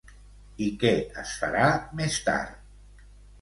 I què es farà més tard?